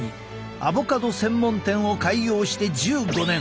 アボカド専門店を開業して１５年佐藤俊介さん